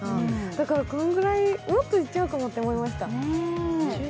だからこのぐらい、もっといっちゃうかもって思いました。